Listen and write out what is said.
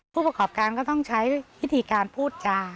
ผู้ประกอบการก็ต้องใช้วิธีการพูดจา